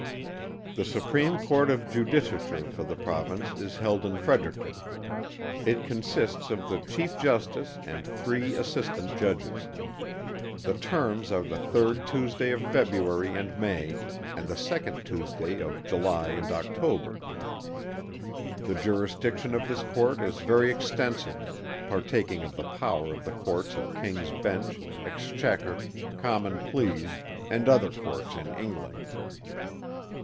The Supreme Court of Judicature for the Province is held in Fredericton. It consists of the Chief Justice and three Assistant Judges. The Terms are the third Tuesday of February and May, and the second Tuesday of July and October. The Jurisdiction of this Court is very extensive, partaking of the power of the Courts of King's Bench, Exchequer, Common Pleas, and other Courts in England.